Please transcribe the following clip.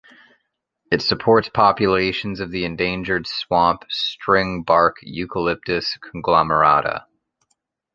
It supports populations of the endangered swamp stringbark Eucalyptus conglomerata.